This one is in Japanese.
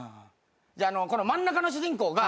じゃあ真ん中の主人公が。